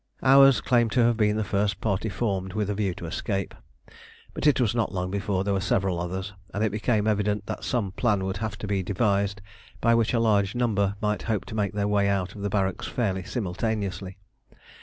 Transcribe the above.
Ours claimed to have been the first party formed with a view to escape, but it was not long before there were several others, and it became evident that some plan would have to be devised by which a large number might hope to make their way out of the barracks fairly simultaneously.